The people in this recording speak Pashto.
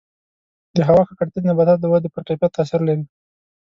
د هوا ککړتیا د نباتاتو د ودې پر کیفیت تاثیر لري.